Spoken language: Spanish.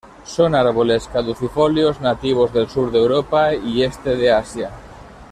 Son árboles caducifolios nativos del sur de Europa y este de Asia.